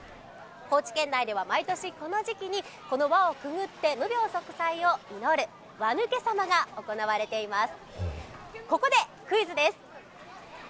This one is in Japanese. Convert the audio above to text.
高知県内では毎年この時期に、この輪をくぐって無病息災を祈る、輪抜けさまが行われています。